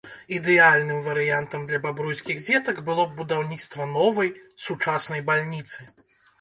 Ідэальным варыянтам для бабруйскіх дзетак было б будаўніцтва новай, сучаснай бальніцы.